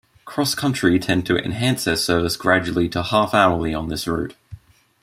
CrossCountry intend to enhance their service gradually to half-hourly on this route.